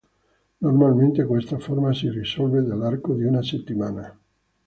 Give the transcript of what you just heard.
Normalmente questa forma si risolve nell'arco di una settimana.